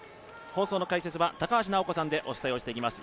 放送の解説は高橋尚子さんでお伝えをしていきます。